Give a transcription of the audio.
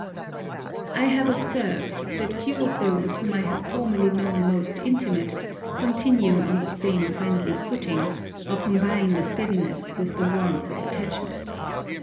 I have observed that few of those whom I have formerly known most intimate, continue on the same friendly footing, or combine the steadiness with the warmth of attachment.